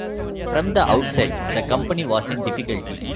From the outset the company was in difficulty.